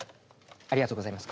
ありがとうございます。